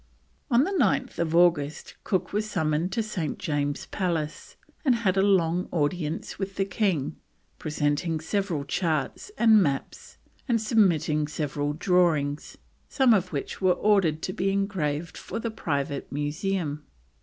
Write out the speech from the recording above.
On 9th August Cook was summoned to St. James's Palace and had a long audience with the King, presenting several charts and maps and submitting several drawings, some of which were ordered to be engraved for the private museum.